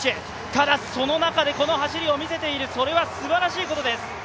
ただ、その中でこの走りを見せているそれはすばらしいことです。